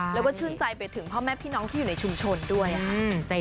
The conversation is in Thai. แล้วก็ชื่นใจไปถึงพ่อแม่พี่น้องที่อยู่ในชุมชนด้วยค่ะ